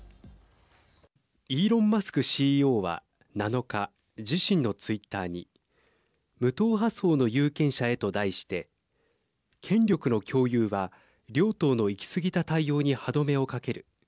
イーロン・マスクＣＥＯは７日自身のツイッターに無党派層の有権者へと題して権力の共有は両党の行き過ぎた対応に歯止めをかける。